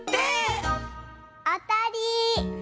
あたり！